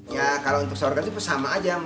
ya kalau untuk saur gari itu sama saja